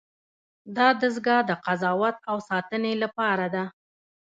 دا دستگاه د قضاوت او ساتنې لپاره ده.